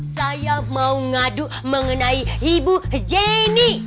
saya mau ngadu mengenai ibu jenny